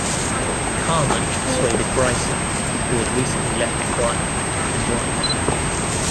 Carmen persuaded Bryson, who had recently left The Choir, to join.